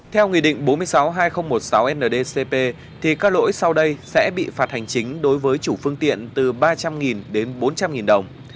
theo nghị định bốn mươi sáu hai nghìn một mươi sáu ndcp các lỗi sau đây sẽ bị phạt hành chính đối với chủ phương tiện từ ba trăm linh đến bốn trăm linh đồng